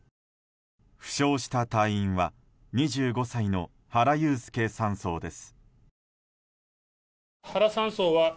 負傷した隊員は２５歳の原悠介３曹です。